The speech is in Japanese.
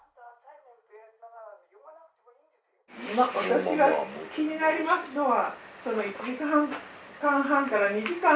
「私が気になりますのは」